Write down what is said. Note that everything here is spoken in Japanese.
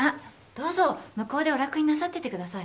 どうぞ向こうでお楽になさっててください